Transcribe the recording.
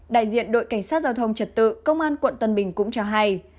đại diện đội cảnh sát giao thông trật tự công an quận tân bình cũng cho hay